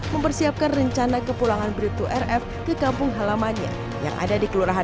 mempersiapkan rencana kepulangan brieftoe rf ke kampung halamannya yang tersebut diberikan keseluruhan